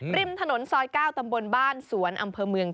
ริมถนนซอย๙ตำบลบ้านสวนอำเภอเมือง